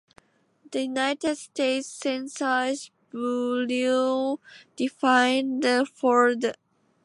The United States Census Bureau defined the for the